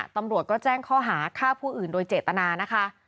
ตำรวจก็แจ้งข้อหาฆ่าผู้อื่นโดยเจตนานะคะ